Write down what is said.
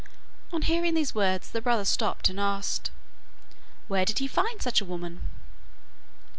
On hearing these words the brother stopped and asked, 'Where did he find such a woman?